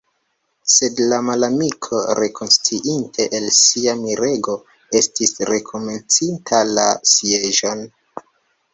Sed la malamiko, rekonsciinte el sia mirego, estis rekomencinta la sieĝon.